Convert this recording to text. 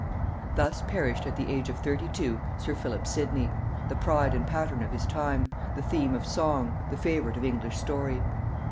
Thus perished at the early age of thirty two sir Philip Sidney, the pride and pattern of his time, the theme of song, the favorite of English story.